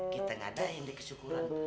kita gak ada yang dikesyukuran